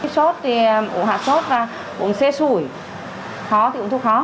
sốt thì uống hạt sốt và uống xê sủi khó thì uống thuốc khó